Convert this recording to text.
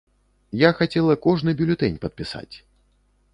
Я хацела кожны бюлетэнь падпісаць.